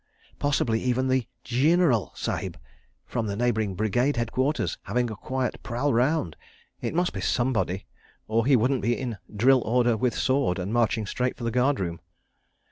Possibly even the "Gineraal" Sahib (from the neighbouring Brigade Headquarters) having a quiet prowl round. It must be somebody, or he wouldn't be "in drill order with sword," and marching straight for the guard room.